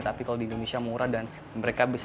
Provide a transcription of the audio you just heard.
tapi kalau di indonesia murah dan mereka bisa